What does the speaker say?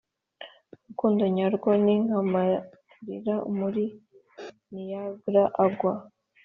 urukundo nyarwo ni nk'amarira muri niagra agwa